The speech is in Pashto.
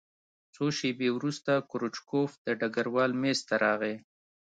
څو شېبې وروسته کروچکوف د ډګروال مېز ته راغی